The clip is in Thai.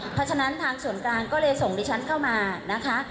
เพราะฉะนั้นทางส่วนกลางก็เลยส่งดิฉันเข้ามานะคะ